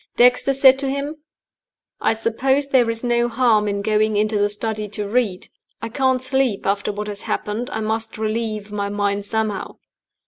Dexter said to them, 'I suppose there is no harm in my going into the study to read? I can't sleep after what has happened; I must relieve my mind somehow.